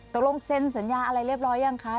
ตกลงเซ็นสัญญาอะไรเรียบร้อยยังคะ